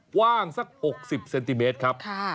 กว้างสัก๖๐เซนติเมตรครับ